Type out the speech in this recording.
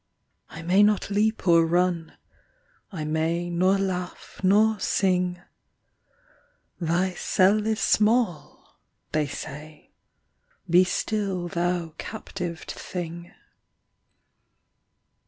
I may not leap or run; I may nor laugh nor sing. "Thy cell is small," they say, "Be still thou captived thing."